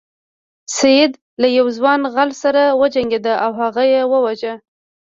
سید له یو ځوان غل سره وجنګیده او هغه یې وواژه.